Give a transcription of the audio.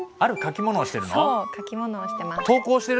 そう書き物をしてます。